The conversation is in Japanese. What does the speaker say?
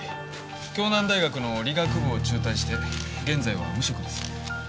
京南大学の理学部を中退して現在は無職です。